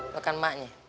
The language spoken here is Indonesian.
lo kan emaknya